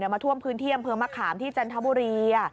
มาท่วมพื้นที่อำเภอมะขามที่จันทบุรี